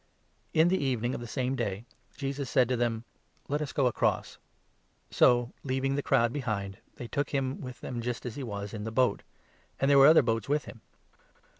j««us stniM In the evening of the same day, Jesus said to 35 a storm, them :'' Let us go across. " So, leaving the crowd behind, they took him with them, just 36 as he was, in the boat ; and there were other boats with him.